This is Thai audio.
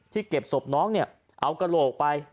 ที่เก็บศพน้องเนี่ยเอากะโรคไป